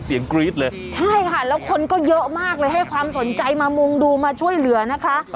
กรี๊ดเลยใช่ค่ะแล้วคนก็เยอะมากเลยให้ความสนใจมามุงดูมาช่วยเหลือนะคะ